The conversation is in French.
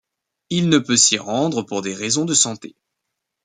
Il ne peut s'y rendre pour des raisons de santé.